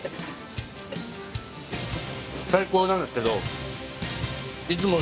最高なんですけど。